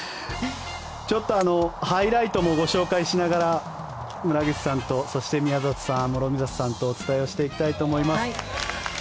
ハイライトもご紹介しながら村口さん、そして宮里さん諸見里さんとお伝えしていきたいと思います。